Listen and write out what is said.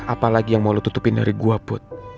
apalagi yang mau lo tutupin dari gua put